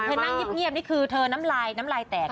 นั่งเงียบนี่คือเธอน้ำลายน้ำลายแตก